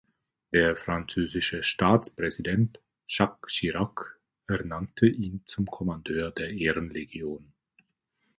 Der französische Staatspräsident Jacques Chirac ernannte ihn zum Kommandeur der Ehrenlegion.